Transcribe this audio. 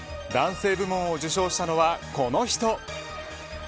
男性部門を受賞したのはこの人。